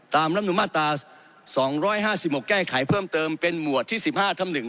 ตามรัฐธรรมนุมาตร๒๕๖แก้ไขเพิ่มเติมเป็นหมวดที่๑๕ธรรมหนึ่ง